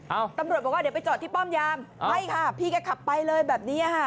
ตำรวจบอกว่าเดี๋ยวไปจอดที่ป้อมยามไม่ค่ะพี่ก็ขับไปเลยแบบนี้ค่ะ